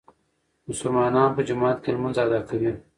مسلمانان په جومات کې لمونځ ادا کوي.